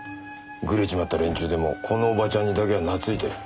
グレちまった連中でもこのおばちゃんにだけはなついてる。